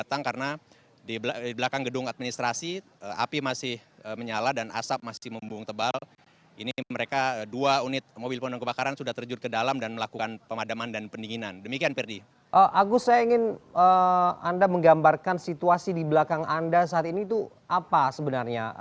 agus saya ingin anda menggambarkan situasi di belakang anda saat ini itu apa sebenarnya